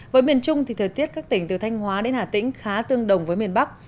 với miền trung thì thời tiết các tỉnh từ thanh hóa đến hà tĩnh khá tương đồng với miền bắc